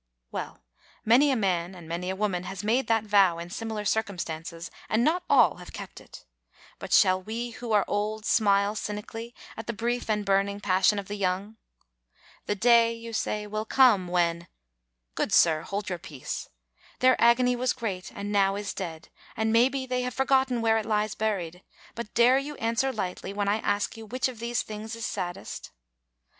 Well, many a man and many a woman has made that vow in similar circumstances, and not all have kept it. But shall we who are old smile cynically at the brief and burning passion of the young? "The day," you say, " will come when —" Good sir, hold your peace. Their agony was great and now is dead, and, maybe, they have forgotten where it lies buried; but dare you answer lightly when I ask you which of these things is saddest?